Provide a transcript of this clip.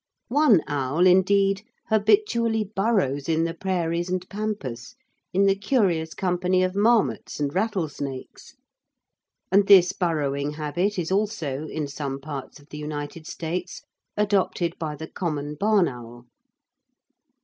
One owl indeed habitually burrows in the prairies and pampas, in the curious company of marmots and rattlesnakes, and this burrowing habit is also, in some parts of the United States, adopted by the common barn owl.